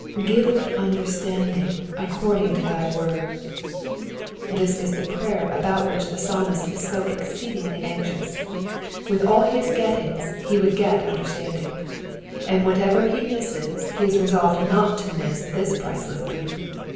^^Give me understanding according to thy word.^^ This is the prayer about which the Psalmist is so exceedingly anxious. With all his gettings he would pfet understanding, and whatever he misses he is resolved not to miss this priceless boon.